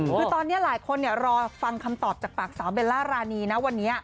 คือตอนนี้หลายคนรอฟังคำตอบจากปากสาวเบลล่ารานีนะวันนี้